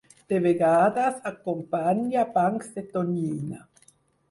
De vegades acompanya bancs de tonyina.